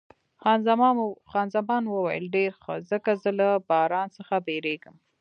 خان زمان وویل، ډېر ښه، ځکه زه له باران څخه بیریږم.